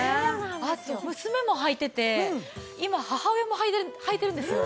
あと娘も履いてて今母親も履いてるんですよ。